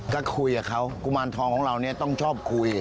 ก็คุยกับเขากุมารทองของเราเนี่ยต้องชอบคุย